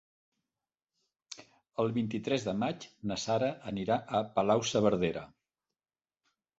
El vint-i-tres de maig na Sara anirà a Palau-saverdera.